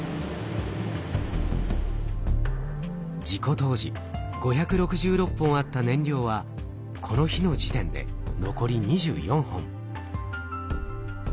事故当時５６６本あった燃料はこの日の時点で残り２４本。